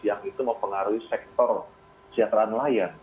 yang itu mau pengaruhi sektor sejahteraan layak